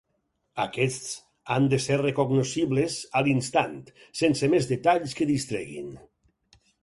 Aquests han de ser recognoscibles a l'instant, sense més detalls que distreguin.